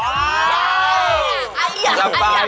ว้าว